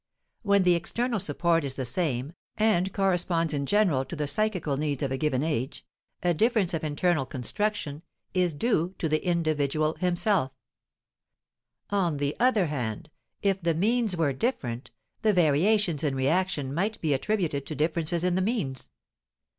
When the external support is the same, and corresponds in general to the psychical needs of a given age, a difference of internal construction is due to the individual himself. On the other hand, if the means were different, the variations in reaction might be attributed to differences in the means.